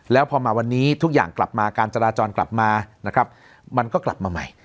แล้วพอมาวันนี้ทุกอย่างกลับมาการจราจรกลับมานะครับมันก็กลับมาใหม่